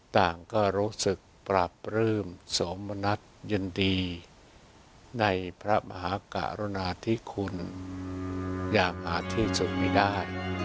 ต่างก็รู้สึกปรับรื่มสมนตร์ยนตรีในพระมหาการณาธิคุณอย่างอาทิสุทธิ์ไม่ได้